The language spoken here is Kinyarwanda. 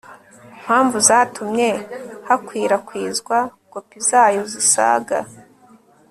mpamvu zatumye hakwirakwizwa kopi zayo zisaga